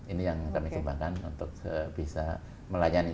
ini yang kami kembangkan untuk bisa melayani